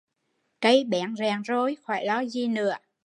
Cây bén rẹn rồi khỏi lo gì nữa